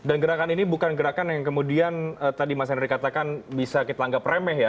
dan gerakan ini bukan gerakan yang kemudian tadi mas henry katakan bisa kita anggap remeh ya